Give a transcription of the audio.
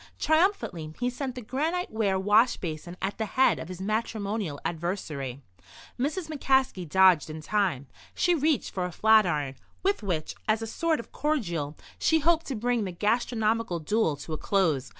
Triumphantly he sent the granite ware wash basin at the head of his matrimonial adversary. Mrs. McCaskey dodged in time. She reached for a flatiron, with which, as a sort of cordial, she hoped to bring the gastronomical duel to a close.